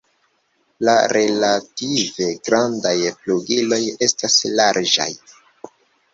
La relative grandaj flugiloj estas larĝaj.